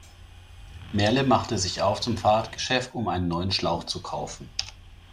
Merle macht sich auf zum Fahrradgeschäft, um einen neuen Schlauch zu kaufen.